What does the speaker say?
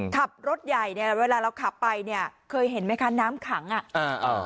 ขับรถใหญ่เนี่ยเวลาเราขับไปเนี่ยเคยเห็นไหมคะน้ำขังอ่ะอ่าอ่า